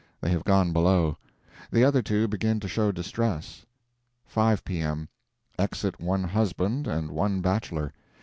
They have gone below. The other two begin to show distress. 5 P.M. Exit one husband and one bachelor.